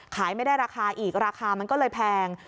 ขายไม่ได้ราคาอีกราคามันก็เลยแพง